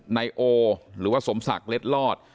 นายโอหรือว่าสมศักดิ์เล็ดลอด